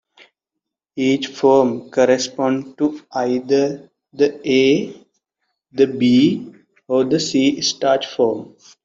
Each form corresponds to either the A-, the B-, or the C- starch forms.